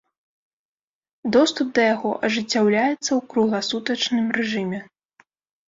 Доступ да яго ажыццяўляецца ў кругласутачным рэжыме.